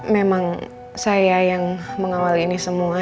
memang saya yang mengawal ini semua